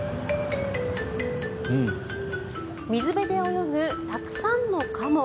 水辺で泳ぐたくさんのカモ。